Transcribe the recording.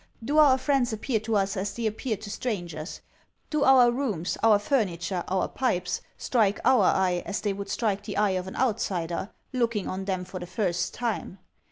Do our friends appear to us as they appear to strangers? Do our rooms, our furniture, our pipes strike our eye as they would strike the eye of an outsider, looking on them for the first time?